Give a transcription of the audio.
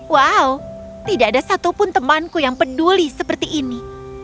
wow tidak ada satupun temanku yang peduli seperti ini